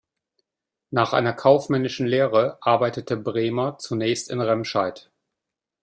Nach einer kaufmännischen Lehre arbeitete Bremer zunächst in Remscheid.